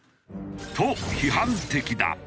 と批判的だ。